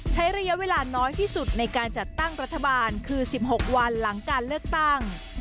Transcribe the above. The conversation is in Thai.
ใช้ระยะเวลาน้อยที่สุดในการจัดตั้งรัฐบาลคือ๑๖วันหลังการเลือกตั้ง